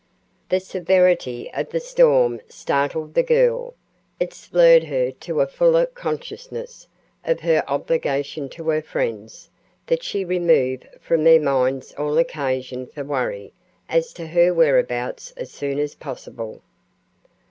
The severity of the storm startled the girl. It spurred her to a fuller consciousness of her obligation to her friends, that she remove from their minds all occasion for worry as to her whereabouts as soon as possible.